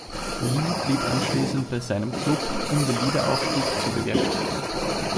Lee blieb anschließend bei seinem Klub, um den Wiederaufstieg zu bewerkstelligen.